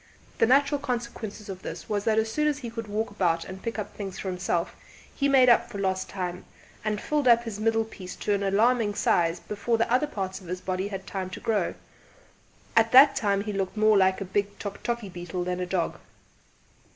The natural consequence of this was that as soon as he could walk about and pick up things for himself he made up for lost time, and filled up his middle piece to an alarming size before the other parts of his body had time to grow; at that time he looked more like a big tock tockie beetle than a dog.